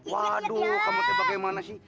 waduh kamu bagaimana sih